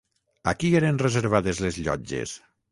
A qui eren reservades les llotges?